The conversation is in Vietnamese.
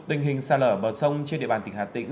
tình hình xa lở bờ sông trên địa bàn tỉnh hà tĩnh